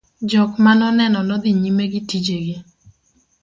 jok ma nonene nodhi nyime gi tije gi